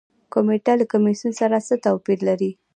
کمیټه له کمیسیون سره څه توپیر لري؟